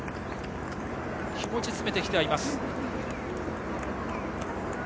気持ち詰めてきてはいます。